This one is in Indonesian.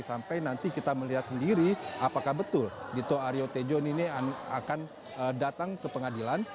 jadi kita melihat sendiri apakah betul dito aryo tejo ini akan datang ke pengadilan